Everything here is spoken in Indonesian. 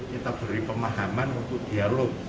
kita beri pemahaman untuk dialog